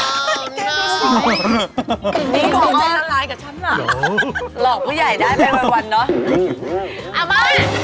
ช่วยกินค่ะ